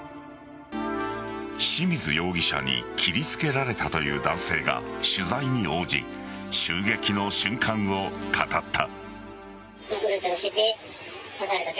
清水容疑者に切りつけられたという男性が取材に応じ襲撃の瞬間を語った。